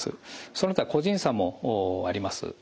その他個人差もあります。